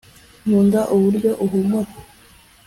nkunda uburyo uhumura